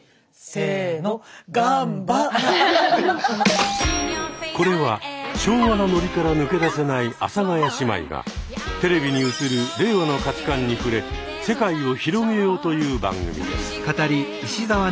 せのこれは昭和のノリから抜け出せない阿佐ヶ谷姉妹がテレビに映る令和の価値観に触れ世界を広げようという番組です。